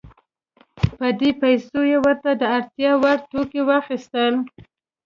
په دې پیسو یې ورته د اړتیا وړ توکي واخیستل.